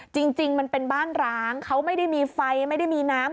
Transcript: จริงมันเป็นบ้านร้างเขาไม่ได้มีไฟไม่ได้มีน้ำ